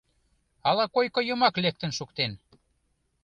Ала койко йымак лектын шуктен?